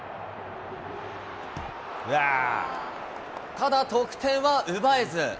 ただ得点は奪えず。